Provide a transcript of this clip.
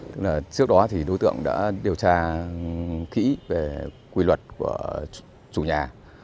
trước đó đối tượng đã điều tra kỹ về quy luật của chủ nhà